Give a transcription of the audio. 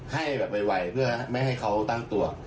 ให้แบบไวเพื่อไม่ให้เขาตั้งตัว